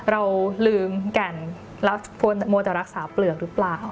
เราลืมแก่นแล้วมัวจะรักษาเปลือกหรือเปล่า